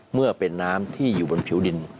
เมื่อเป็นน้ำที่อยู่บนผิวดิน